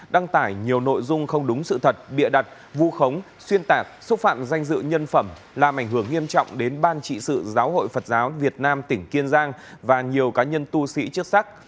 đăng tải nhiều nội dung không đúng sự thật bịa đặt vu khống xuyên tạc xúc phạm danh dự nhân phẩm làm ảnh hưởng nghiêm trọng đến ban trị sự giáo hội phật giáo việt nam tỉnh kiên giang và nhiều cá nhân tu sĩ chức sắc